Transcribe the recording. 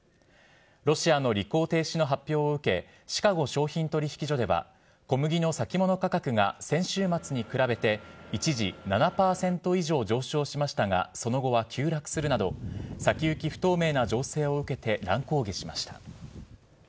ロシアの履行停止の発表を受け、シカゴ商品取引所では、小麦の先物価格が先週末に比べて一時７％以上上昇しましたが、その後は急落するなど、先行き不透明な情勢を受けて乱高下しました。